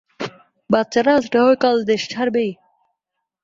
বাচ্চারা আজ না হয় কাল দেশ ছাড়বেই!